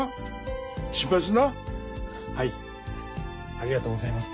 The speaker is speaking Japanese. ありがとうございます。